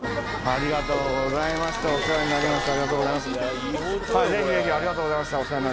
ありがとうございます。